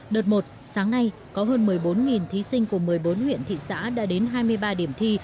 đợt một sáng nay có hơn một mươi bốn thí sinh của một mươi bốn huyện thị xã đã đến hai mươi ba điểm thi